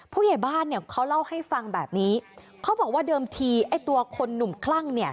ผู้ใหญ่บ้านเนี่ยเขาเล่าให้ฟังแบบนี้เขาบอกว่าเดิมทีไอ้ตัวคนหนุ่มคลั่งเนี่ย